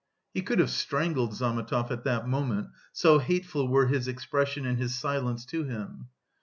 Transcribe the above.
He could have strangled Zametov at that moment, so hateful were his expression and his silence to him.